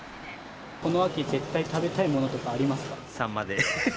この秋、絶対食べたいものとサンマです。